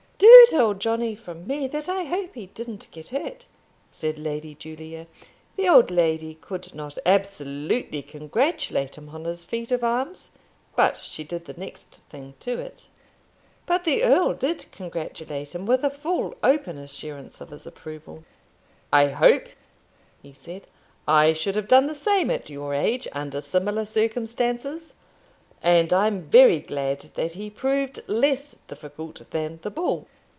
"Do tell Johnny from me that I hope he didn't get hurt," said Lady Julia. The old lady could not absolutely congratulate him on his feat of arms, but she did the next thing to it. But the earl did congratulate him, with a full open assurance of his approval. "I hope," he said, "I should have done the same at your age, under similar circumstances, and I'm very glad that he proved less difficult than the bull.